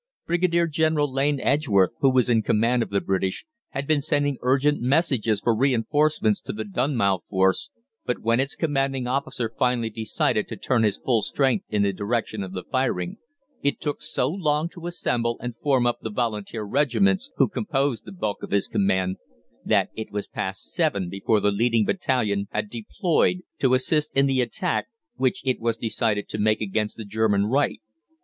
Brigadier General Lane Edgeworth, who was in command of the British, had been sending urgent messages for reinforcements to the Dunmow Force, but when its commanding officer finally decided to turn his full strength in the direction of the firing, it took so long to assemble and form up the Volunteer regiments who composed the bulk of his command, that it was past seven before the leading battalion had deployed to assist in the attack which it was decided to make against the German right.